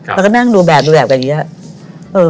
เราก็นั่งดูแบบดูแบบแบบนี้